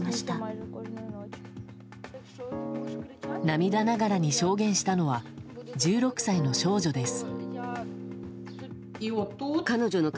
涙ながらに証言したのは１６歳の少女です。